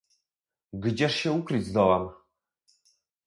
"gdzież się ukryć zdołam?"